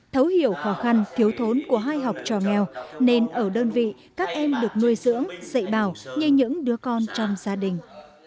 thấu hiểu khó khăn thiếu thốn của hai học trò nghèo nên ở đơn vị các em được nuôi dưỡng dạy bào như những đứa con trong gia đình